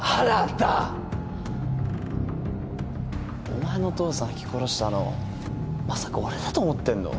お前の父さんひき殺したのまさか俺だと思ってんの？